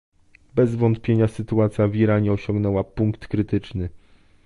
Bez wątpienia sytuacja w Iranie osiągnęła punkt krytyczny